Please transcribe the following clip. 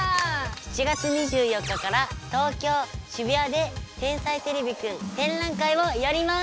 ７月２４日から東京渋谷で「天才てれびくん」展覧会をやります！